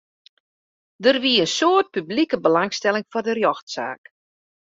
Der wie in soad publike belangstelling foar de rjochtsaak.